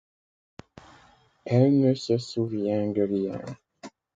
Elle ne se souvient de rien.